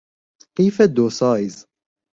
قیف دو سایز